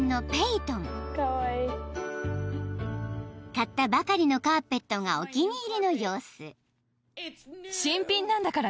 ［買ったばかりのカーペットがお気に入りの様子］